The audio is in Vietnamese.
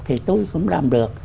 thì tôi cũng làm được